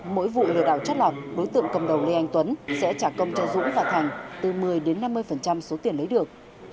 mỗi vụ lừa đảo chất lỏng đối tượng cầm đầu lê anh tuấn sẽ trả công cho dũng và thành từ một mươi đến năm mươi số tiền lấy được